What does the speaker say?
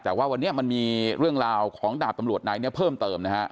แต่ว่าวันนี้มันมีเรื่องราวของดาบตำรวจนายนี้เพิ่มเติมนะฮะ